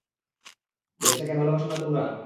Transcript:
দেশটাকে ভালোবাসো না তোমরা?